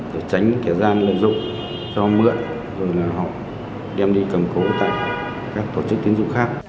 để tránh kẻ gian lợi dụng cho mượn rồi là họ đem đi cầm cố tại các tổ chức tiến dụng khác